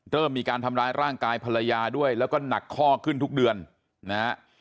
เริ่มมีการทำร้ายร่างกายภรรยาด้วยแล้วก็หนักข้อขึ้นทุกเดือนนะฮะ